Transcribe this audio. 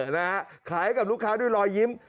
นะฮะขายกับลูกค้าด้วยรอยยิ้ม